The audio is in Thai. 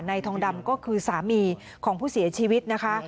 ทองดำก็คือสามีของผู้เสียชีวิตนะคะ